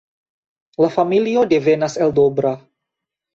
La familio devenas el Dobra.